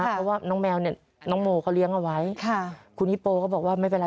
เพราะว่าน้องแมวเนี่ยน้องโมเขาเลี้ยงเอาไว้คุณฮิโปก็บอกว่าไม่เป็นไร